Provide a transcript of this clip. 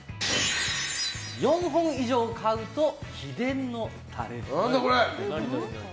４本以上買うと秘伝のタレ。